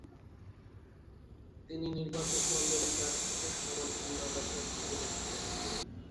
তিনি নির্বাচকমণ্ডলীর কাছ থেকে সমর্থন পাবার কথা তুলে ধরে।